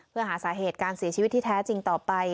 เพื่อหาสาเหตุการเสียชีวิตที่แท้จริงต่อไป